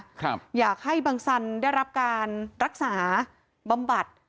คือกำลังจากให้บังสันได้รับการรักษาบำบัด